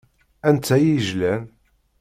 Anta i yejlan?